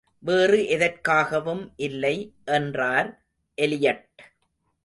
வேறு எதற்காகவும் இல்லை என்றார் எலியட்.